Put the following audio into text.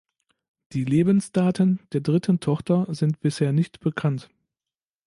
Die Lebensdaten der dritten Tochter sind bisher nicht bekannt.